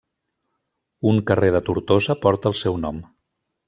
Un carrer de Tortosa porta el seu nom.